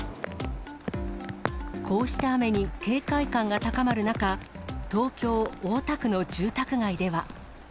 こうした雨に警戒感が高まる中、東京・大田区の住宅街では。